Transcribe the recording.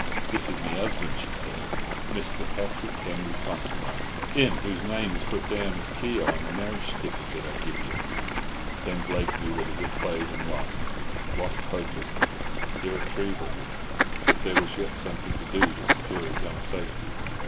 "This is my 'usband," she said, "Mr. Patrick Henery Considine. Him whose name is put down as Keogh on the marriage stiffykit I give you." Then Blake knew that he had played and lost—lost hopelessly, irretrievably. But there was yet something to do to secure his own safety.